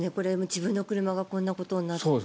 自分の車がこんなことになっていたら。